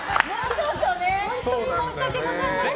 本当に申し訳ございませんでした。